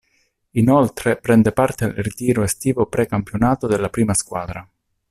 Inoltre prende parte al ritiro estivo pre-campionato della Prima squadra.